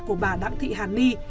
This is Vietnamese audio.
của bà đặng thị hàn ni